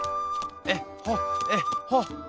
えっほえっほ。